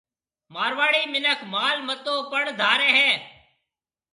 مارواڙي مِنک مال متو پڻ ڌارَي ھيَََ